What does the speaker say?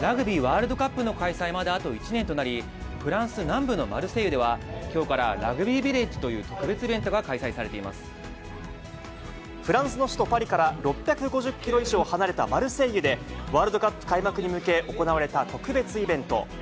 ラグビーワールドカップの開催まであと１年となり、フランス南部のマルセイユでは、きょうからラグビービレッジという特別イベントが開催されていまフランスの首都パリから、６５０キロ以上離れたマルセイユで、ワールドカップ開幕に向け行われた特別イベント。